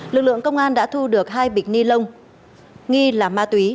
lực lượng công an đã thu được hai bịch ni lông nghi là ma túy